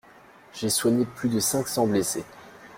J'ai soigné plus de cinq cents blessés.